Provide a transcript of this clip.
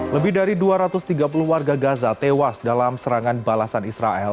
lebih dari dua ratus tiga puluh warga gaza tewas dalam serangan balasan israel